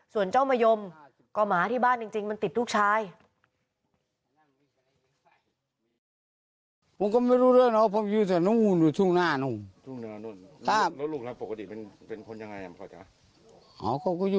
ส่วนเจ้ามะยมก็หมาที่บ้านจริงมันติดลูกชาย